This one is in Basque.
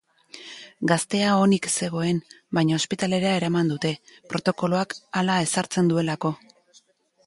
Gaztea onik zegoen, baina ospitalera eraman dute, protokoloak hala ezartzen duelako.